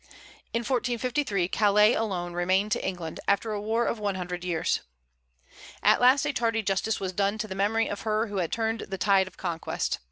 In 1453 Calais alone remained to England, after a war of one hundred years. At last a tardy justice was done to the memory of her who had turned the tide of conquest.